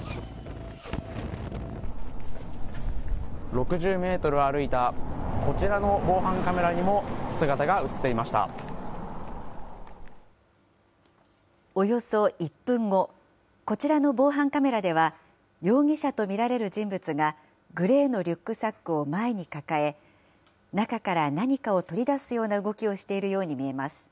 ６０メートル歩いたこちらの防犯カメラにも、姿が写っていまおよそ１分後、こちらの防犯カメラでは、容疑者と見られる人物がグレーのリュックサックを前に抱え、中から何かを取り出すような動きをしているように見えます。